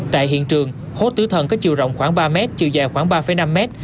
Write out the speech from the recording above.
tại hiện trường hố tử thần có chiều rộng khoảng ba mét chiều dài khoảng ba năm mét